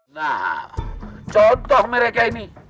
nah contoh mereka ini